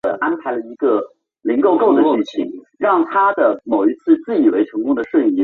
阿根廷国家参议院是阿根廷国会的上议院。